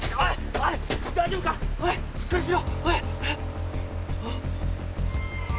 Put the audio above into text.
おいしっかりしろ！